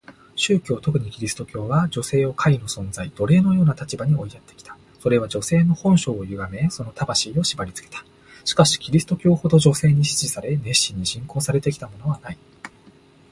宗教、特にキリスト教は、女性を下位の存在、奴隷のような立場に追いやってきた。それは女性の本性を歪め、その魂を縛りつけた。しかしキリスト教ほど女性に支持され、熱心に信仰されてきたものはない。